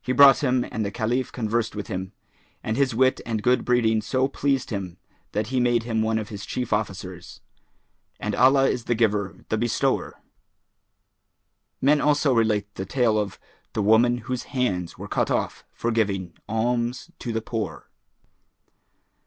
He brought him and the Caliph conversed with him; and his wit and good breeding so pleased him that he made him one of his chief officers. And Allah is the Giver, the Bestower! Men also relate the tale of THE WOMAN WHOSE HANDS WERE CUT OFF FOR GIVING ALMS TO THE POOR.